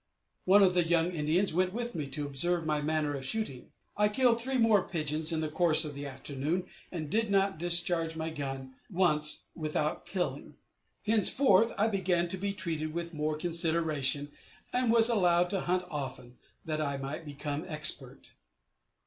One of the young Indians went with me, to observe my manner of shooting. I killed three more pigeons in the course of the afternoon, and did not discharge my gun once without killing. Henceforth I began to be treated with more consideration, and was allowed to hunt often, that I might become expert.